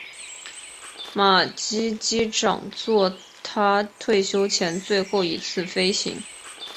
马基机长作他退休前的最后一次飞行。